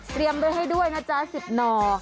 เตรียมเลยให้ด้วยนะจ๊ะ๑๐หน่อ